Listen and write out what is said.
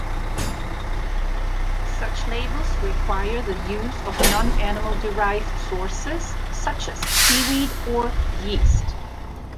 Such labels require the use of non-animal derived sources, such as seaweed or yeast.